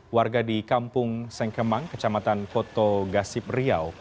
warga di kampung sengkemang kecamatan poto gasip riau